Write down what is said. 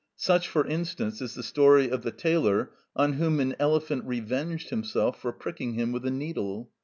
Such, for instance, is the story of the tailor on whom an elephant revenged himself for pricking him with a needle.